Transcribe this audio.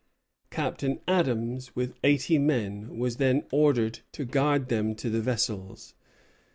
Captain Adams, with eighty men, was then ordered to guard them to the vessels.